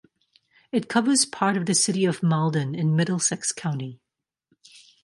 It covers part of the city of Malden in Middlesex County.